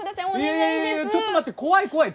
いやいやちょっと待って怖い怖い。